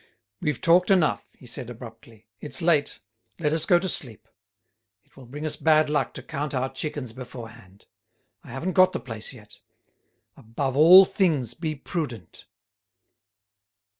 "We've talked enough," he said, abruptly. "It's late, let us go to sleep. It will bring us bad luck to count our chickens beforehand. I haven't got the place yet. Above all things, be prudent."